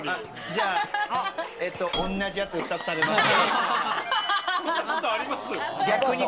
じゃあ同じやつを２つ食べます。